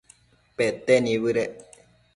pete nibëdec